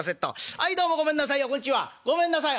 はいどうもごめんなさいよこんちはごめんなさい」。